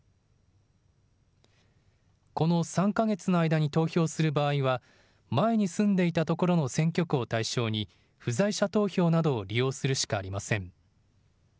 この３か月の間に投票する場合は前に住んでいたところの選挙区を対象に不在者投票などを利用するしかありません。